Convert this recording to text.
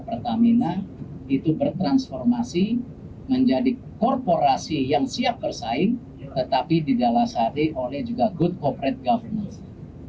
pertamina adalah penyelenggaraan yang akan menjadi perusahaan kelas dunia